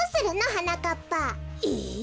はなかっぱ。え。